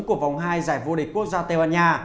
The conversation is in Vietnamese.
của vòng hai giải vô địch quốc gia tây ban nha